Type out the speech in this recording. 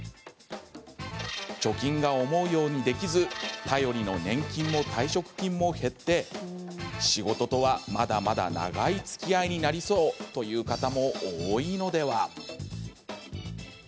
貯金が思うようにできず頼りの年金も退職金も減って仕事とはまだまだ長いつきあいになりそうという方も多いのでは？